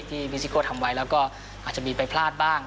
มิซิโก้ทำไว้แล้วก็อาจจะมีไปพลาดบ้าง